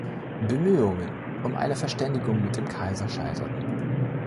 Bemühungen um eine Verständigung mit dem Kaiser scheiterten.